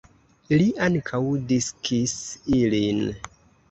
Li ankaŭ diskis ilin.